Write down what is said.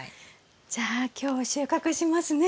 じゃあ今日収穫しますね。